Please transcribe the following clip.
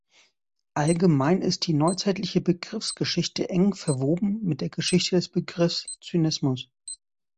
Allgemein ist die neuzeitliche Begriffsgeschichte eng verwoben mit der Geschichte des Begriffs „Zynismus“.